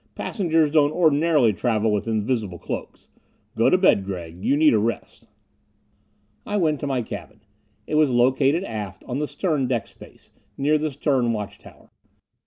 Passengers don't ordinarily travel with invisible cloaks. Go to bed, Gregg you need a rest." I went to my cabin. It was located aft, on the stern deck space, near the stern watch tower.